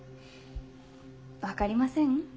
分かりません？